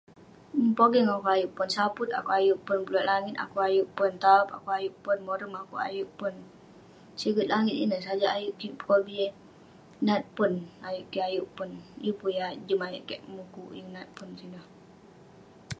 umk..pogeng akouk ayuk pon, saput akouk ayuk pon, beluak langit akouk ayuk pon, taop akouk ayuk pon, morem akouk ayuk pon, siget langit ineh sajak ayuk kik pekobi nat pon, ayuk kik ayuk pon, yeng yah jem ayuk keik mukuk yeng nat pon sineh..